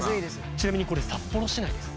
ちなみにこれ札幌市内です。